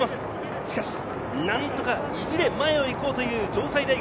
しかし何とか意地で前を行こうという城西大学。